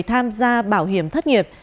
tham gia bảo hiểm thất nghiệp